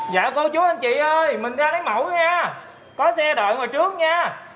dạ cô chú anh chị ơi mình ra lấy mẫu nha có xe đợi ngồi trước nha